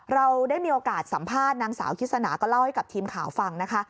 เราได้มีโอกาสสัมภาษณ์นางสาวคิดสนาก็เล่าให้กับทีมข่าวฟังนะคะ